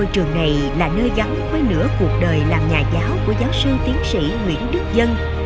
ngôi trường này là nơi gắn với nửa cuộc đời làm nhà giáo của giáo sư tiến sĩ nguyễn đức dân